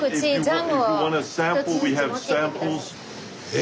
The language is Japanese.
え⁉